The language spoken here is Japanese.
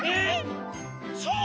そう。